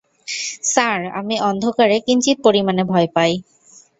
Sir, আমি অন্ধকারে কিঞ্চিত পরিমাণে ভয় পাই।